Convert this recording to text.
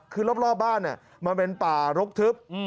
คือรอบบ้านมันเป็นป่ารกทึบ